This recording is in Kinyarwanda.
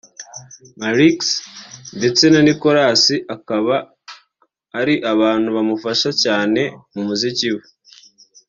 Maurix ndetse na Nicolas akaba ari abantu bamufasha cyane mu muziki we